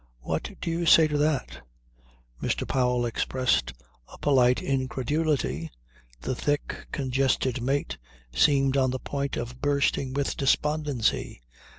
What do you say to that?" Mr. Powell expressed a polite incredulity. The thick, congested mate seemed on the point of bursting with despondency.